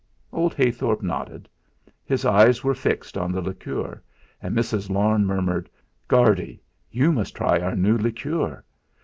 Old Heythorp nodded. His eyes were fixed on the liqueur, and Mrs. Larne murmured: "Guardy, you must try our new liqueur.